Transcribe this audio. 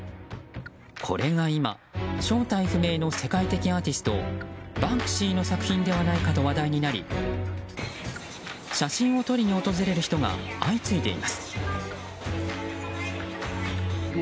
これが今、正体不明の世界的アーティストバンクシーの作品ではないかと話題になり写真を撮りに訪れる人が相次いでいます。